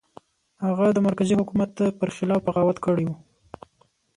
هغه د مرکزي حکومت پر خلاف بغاوت کړی و.